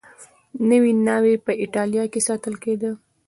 نوې ناوې په اېټالیا کې ساتل کېده.